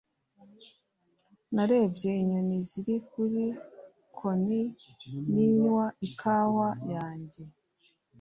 narebye inyoni ziri kuri bkoni ninywa ikawa yanjye